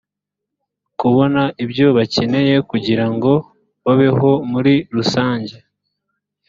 kubona ibyo bakeneye kugira ngo babeho muri rusanjye